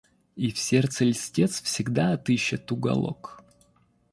И в сердце льстец всегда отыщет уголок.